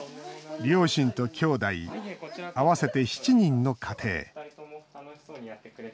両親と、きょうだい合わせて７人の家庭。